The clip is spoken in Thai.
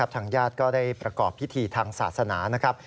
ทางญาติก็ได้ประกอบพิธีทางศาสนานะครับ